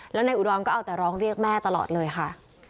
แล้วนายอุดรก็เอาแต่ร้องเรียกแม่ตลอดเลยค่ะ